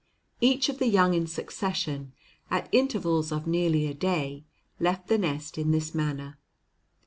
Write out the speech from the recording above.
Each of the young in succession, at intervals of nearly a day, left the nest in this manner.